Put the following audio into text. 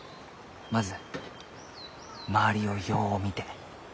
まず周りをよう見て。